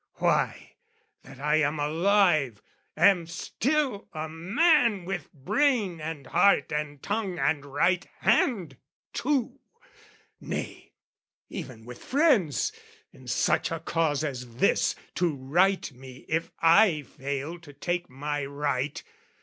Why, that I am alive, am still a man With brain and heart and tongue and right hand too Nay, even with friends, in such a cause as this, To right me if I fail to take my right.